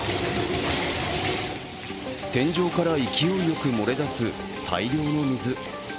天井から勢いよく漏れ出す大量の水。